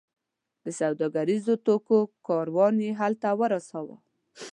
د سوداګریزو توکو کاروان یې هلته ورساوو.